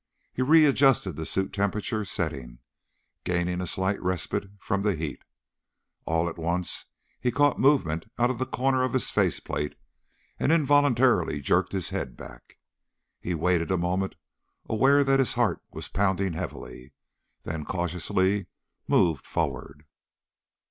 He readjusted the suit temperature setting, gaining a slight respite from the heat. All at once he caught movement out of the corner of his face plate and involuntarily jerked his head back. He waited a moment, aware that his heart was pounding heavily, then cautiously moved forward.